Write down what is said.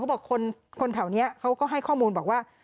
บอกคนแถวนี้เขาก็ให้ข้อมูลบอกว่า